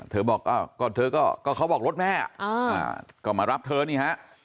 เธอบอกก็เขาบอกรถแม่อ๋อก็มารับเธอนี่หะ